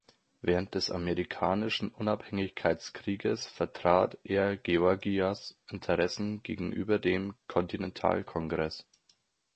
Während des Amerikanischen Unabhängigkeitskrieges vertrat er Georgias Interessen gegenüber dem Kontinentalkongress.